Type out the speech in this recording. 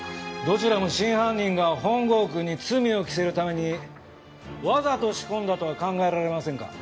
どちらも真犯人が本郷くんに罪を着せるためにわざと仕込んだとは考えられませんか？